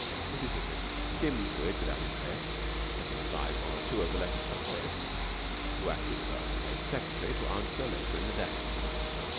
Mrs. Hignett skimmed through it without interest, setting aside one or two of the letters for Eustace, who acted as her unpaid secretary, to answer later in the day.